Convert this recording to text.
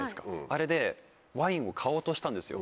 あれでワインを買おうとしたんですよ。